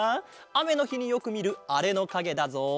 あめのひによくみるあれのかげだぞ！